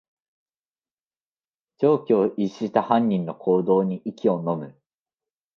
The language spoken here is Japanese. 常軌を逸した犯人の行動に息をのむ